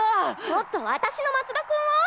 ちょっと私の松田君は？